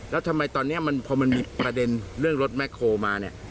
แล้วทำไมตอนนี้พอมันมีประเด็นเรื่องรถแคลมาเนี่ย